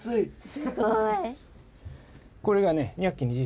すごい！